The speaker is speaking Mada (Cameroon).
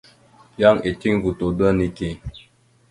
Yan eteŋ voto da neke.